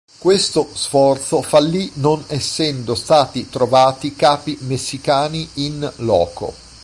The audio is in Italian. Questo sforzo fallì non essendo stati trovati capi messicani "in loco".